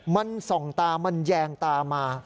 มันส่องตามันแยงตามา